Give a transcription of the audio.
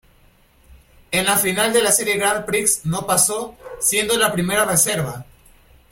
En la final de la serie Grand Prix, no pasó, siendo la primera reserva.